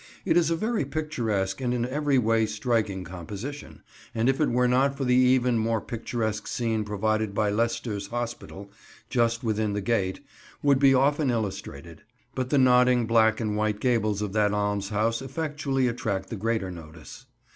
It is a very picturesque and in every way striking composition, and if it were not for the even more picturesque scene provided by Leicester's Hospital, just within the gate, would be often illustrated. But the nodding black and white gables of that almshouse effectually attract the greater notice.